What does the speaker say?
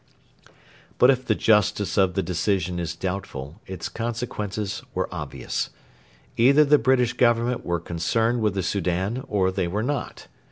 ] But if the justice of the decision is doubtful, its consequences were obvious. Either the British Government were concerned with the Soudan, or they were not.